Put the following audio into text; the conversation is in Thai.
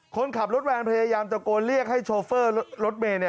คนขับรถแวนพยายามตะโกนเรียกให้โชเฟอร์รถเมย์